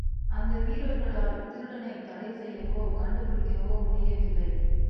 அந்த வீரர்களால் திருடனைத் தடை செய்யவோ, கண்டுபிடிக்கவோ முடியவில்லை.